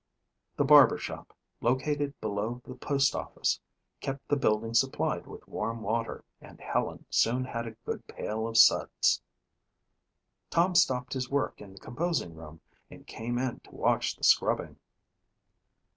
The barber shop, located below the postoffice, kept the building supplied with warm water, and Helen soon had a good pail of suds. Tom stopped his work in the composing room and came in to watch the scrubbing.